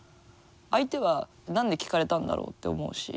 相手は何で聞かれたんだろうって思うし。